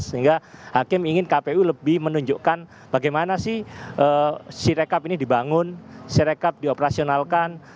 sehingga hakim ingin kpu lebih menunjukkan bagaimana sih sirekap ini dibangun sirekap dioperasionalkan